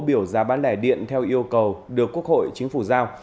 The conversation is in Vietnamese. biểu giá bán lẻ điện theo yêu cầu được quốc hội chính phủ giao